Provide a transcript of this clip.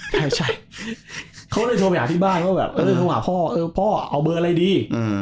เขาก็เลยโทรไปหาที่บ้านว่าเฮ้ยพ่อเอาเบอร์อะไรดี